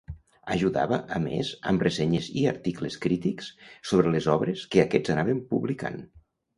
Ajudava, a més, amb ressenyes i articles crítics sobre les obres que aquests anaven publicant.